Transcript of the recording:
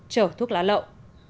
trở thuốc lá lậu